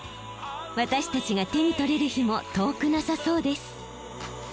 私たちが手に取れる日も遠くなさそうです。